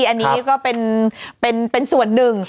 อันนี้ก็เป็นส่วนหนึ่ง